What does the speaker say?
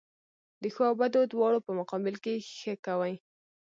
د ښو او بدو دواړو په مقابل کښي ښه کوئ!